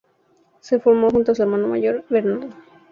Se formó junto a su hermano mayor, Bernardo.